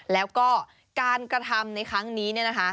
แล้วก็การกระทำในครั้งนี้